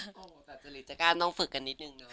ก็แบบจะหลีกจะกล้าต้องฝึกกันนิดนึงเนอะ